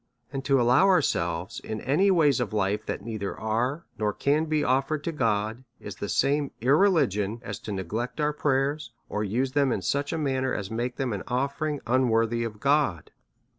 And to allow ourselves, in any ways of life, that neither are nor can be oftered to God, is the same irreligion as to neglect our prayers, or use them in such a manner as makes them an offering unworthy of God.